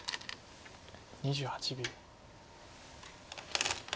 ２８秒。